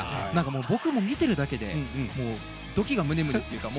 僕も見ているだけでドキがムネムネというか